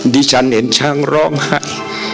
ดิฉันเห็นช้างร้องไห้